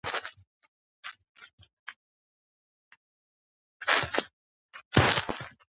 სწორედ ეს ნაწილი ასოცირდება ძირითადად ტერმინ „მეხიკოს ველთან“.